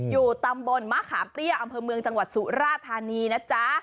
อยู่ตำบลมะขามเตี้ยอำเภอเมืองจังหวัดสุราธานีนะจ๊ะ